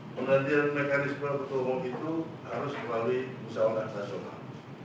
pergantian mekanisme ketua umum itu harus melalui musyawah nasional